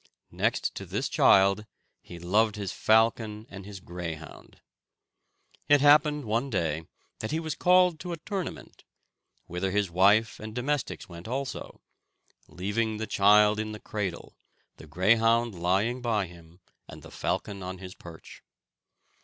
Next to this child, he loved his falcon and his greyhound. It happened one day that he was called to a tournament, whither his wife and domestics went also, leaving the child in the cradle, the greyhound lying by him, and the falcon on his perch.